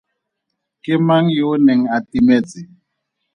Ke mang yo o neng a timetse?